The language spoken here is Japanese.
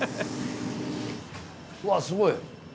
うわすごい！